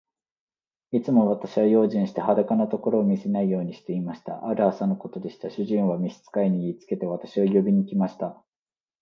いつも私は用心して、裸のところを見せないようにしていました。ある朝のことでした。主人は召使に言いつけて、私を呼びに来ました。